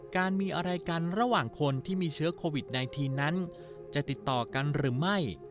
การมีอะไรกันระหว่างคนที่มีเชื้อโควิด๑๙นั้นจะติดต่อกันหรือไม่